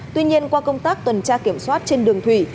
tuy nhiên qua công tác tuần tra kiểm soát trên đường thủy